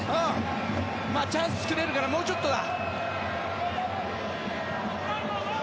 チャンス作れるからもうちょっとだ。